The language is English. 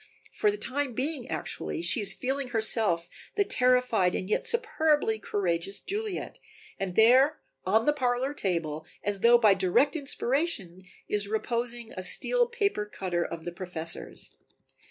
For the time being actually she is feeling herself the terrified and yet superbly courageous Juliet, and there on the parlor table, as though by direct inspiration, is reposing a steel paper cutter of the Professor's.